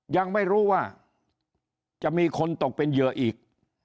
ยังไม่รู้ว่าจะมีคนตกเป็นเหยื่ออีก